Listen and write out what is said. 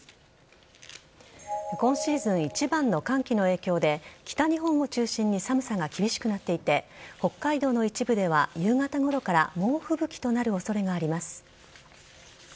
今シーズン一番の寒気の影響で北日本を中心に寒さが厳しくなっていて北海道の一部では夕方ごろから猛吹雪となる恐れがあります。